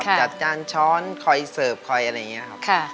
จานช้อนคอยเสิร์ฟคอยอะไรอย่างนี้ครับ